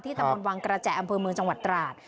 ตำบลวังกระแจอำเภอเมืองจังหวัดตราด